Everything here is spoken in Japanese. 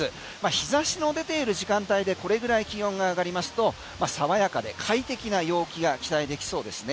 日差しの出ている時間帯でこれぐらい気温が上がりますと爽やかで快適な陽気が期待できそうですね。